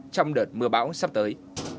trong đợt mưa bão sắp tới